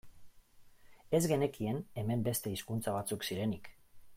Ez genekien hemen beste hizkuntza batzuk zirenik.